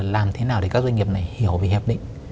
làm thế nào để các doanh nghiệp này hiểu về hiệp định